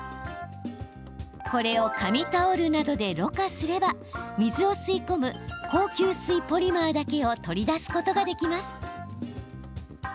これを紙タオルなどでろ過すれば水を吸い込む高吸水ポリマーだけを取り出すことができます。